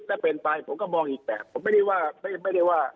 และเป็นไปผมก็มองอีกแบบผมไม่ได้ว่า